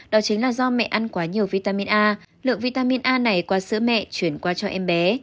đó chính là do mẹ ăn quá nhiều vitamin a lượng vitamin a này qua sữa mẹ chuyển qua cho em bé